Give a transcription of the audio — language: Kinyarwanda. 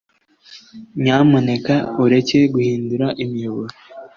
Nyamuneka ureke guhindura imiyoboro